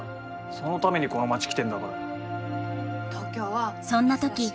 そのためにこの町来てんだからよ。